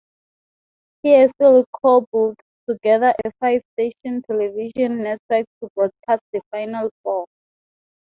He hastily cobbled together a five-station television network to broadcast the Final Four.